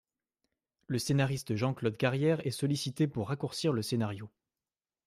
Le scénariste Jean-Claude Carrière est sollicité pour raccourcir le scénario.